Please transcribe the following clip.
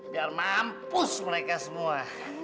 biar mampus mereka semua